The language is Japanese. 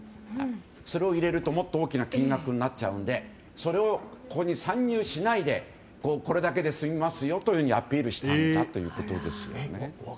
それを入れると、もっと大きな金額になっちゃうのでそれを、ここに参入しないでこれだけで済みますよとアピールしたんだということですよね。